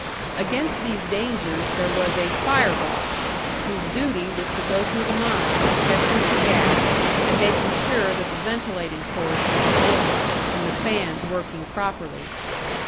Against these dangers there was a "fire boss," whose duty was to go through the mine, testing for gas, and making sure that the ventilating course was in order, and the fans working properly.